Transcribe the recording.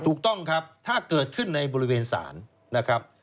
ถูกต้องครับถ้าเกิดขึ้นในบริเวณศาลนะครับ